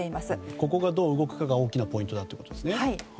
ここがどう動くかが大きなポイントだということですね。